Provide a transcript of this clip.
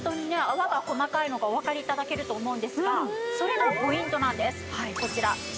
泡が細かいのがおわかり頂けると思うんですがそれがポイントなんです。